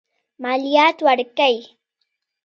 مالیات ورکوي.